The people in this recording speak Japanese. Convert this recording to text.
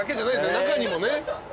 中にもね。